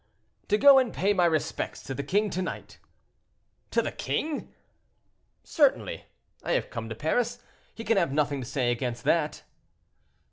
"To go and pay my respects to the king to night." "To the king?" "Certainly; I have come to Paris—he can have nothing to say against that."